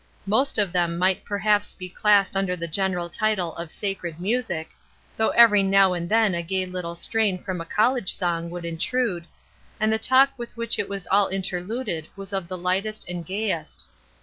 Most of them might perhaps be classed under the general title of sacred music, — though every now and then a gay little strain from a college song would intrude, — and the talk with which it was all interluded was of the Ughtest and gayest.